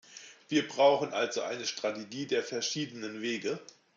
Wir brauchen also eine Strategie der verschiedenen Wege.